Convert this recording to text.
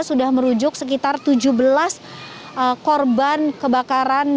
sudah merujuk sekitar tujuh belas korban kebakaran